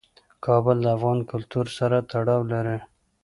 کابل د افغان کلتور سره تړاو لري.